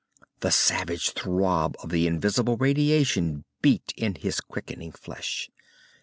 The savage throb of the invisible radiation beat in his quickening flesh.